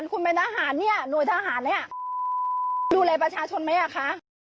มึงมานั่งตรงนี้